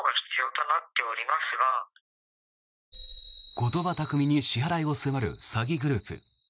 言葉巧みに支払いを迫る詐欺グループ。